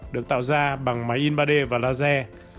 được tạo ra bằng máy in ba d và laser